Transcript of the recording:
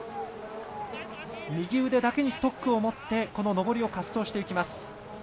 右腕だけにストックを持って上りを滑走していきます。